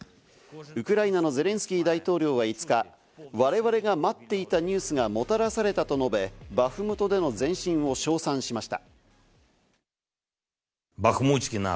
ウクライナのゼレンスキー大統領は５日、我々が待っていたニュースがもたらされたと述べ、バフムトでの前進を称賛しました。